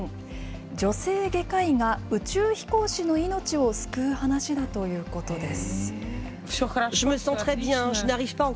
女性外科医が宇宙飛行士の命を救う話だということです。